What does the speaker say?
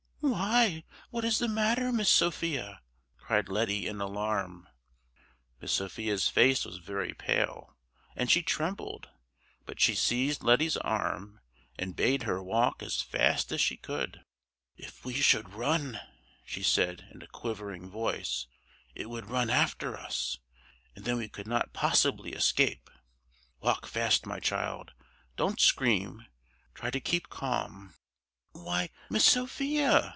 "Why, what is the matter, Miss Sophia?" cried Letty in alarm. Miss Sophia's face was very pale, and she trembled; but she seized Letty's arm, and bade her walk as fast as she could. "If we should run," she said, in a quivering voice, "it would run after us, and then we could not possibly escape. Walk fast, my child! Don't scream! Try to keep calm!" "Why, Miss Sophia!"